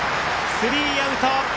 スリーアウト。